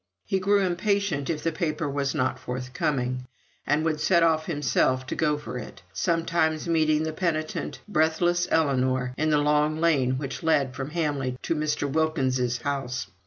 He grew impatient if the paper was not forthcoming, and would set off himself to go for it, sometimes meeting the penitent breathless Ellinor in the long lane which led from Hamley to Mr. Wilkins's house.